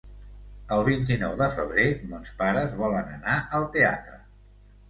El vint-i-nou de febrer mons pares volen anar al teatre.